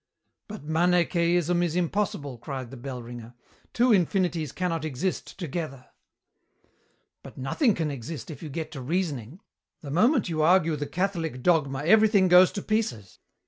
"But Manicheism is impossible!" cried the bell ringer. "Two infinities cannot exist together." "But nothing can exist if you get to reasoning. The moment you argue the Catholic dogma everything goes to pieces.